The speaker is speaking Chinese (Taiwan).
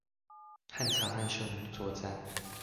漢朝和匈奴作戰